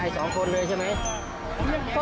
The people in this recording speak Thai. สวัสดีครับ